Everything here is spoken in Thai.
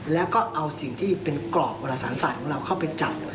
แล้วก็เอาสิ่งที่เป็นกรอบวรสารศาสตร์ของเราเข้าไปจับ